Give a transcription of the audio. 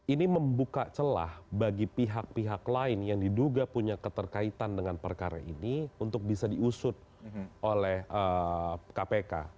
ini membuka celah bagi pihak pihak lain yang diduga punya keterkaitan dengan perkara ini untuk bisa diusut oleh kpk